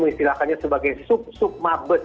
menistilahkannya sebagai sub sub mabes